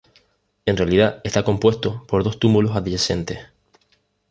En realidad está compuesto por dos túmulos adyacentes.